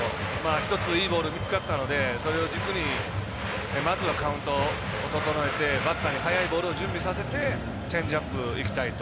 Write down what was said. １つ、いいボール見つかったのでそれを軸にまずはカウントを整えてバッターに速いボールを準備させてチェンジアップいきたいと。